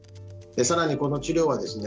更にこの治療はですね